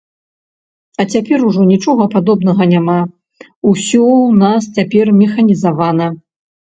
А цяпер ужо нічога падобнага няма, усё ў нас цяпер механізавана.